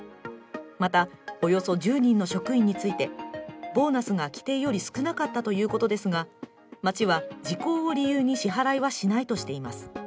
また、およそ１０人の職員についてボーナスが規定より少なかったということですが町は時効を理由に支払いはしないとしています。